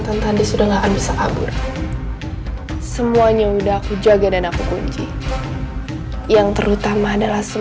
tante andis katanya lagi ada projek di bandung jadi liat lagi